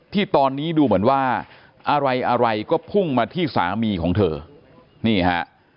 ที่ตอนนี้ดูเหมือนว่าอะไรอะไรก็พุ่งมาที่สามีของเธอนี่ฮะ